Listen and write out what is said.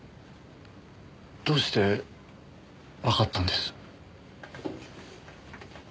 どうしてわかったんです？